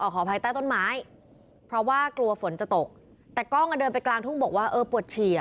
ขออภัยใต้ต้นไม้เพราะว่ากลัวฝนจะตกแต่กล้องอ่ะเดินไปกลางทุ่งบอกว่าเออปวดเฉีย